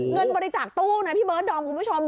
เงินบริจาคตู้นะพี่เบิร์ดดอมคุณผู้ชม